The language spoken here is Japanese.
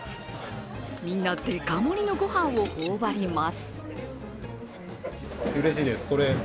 みんなでか盛りのご飯を頬張ります。